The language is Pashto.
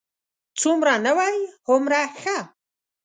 څومره نوی، هومره ښه.